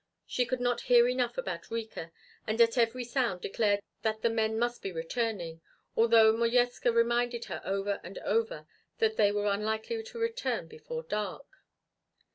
She could not hear enough about Rika and at every sound declared that the men must be returning, although Modjeska reminded her over and over that they were unlikely to return before dark.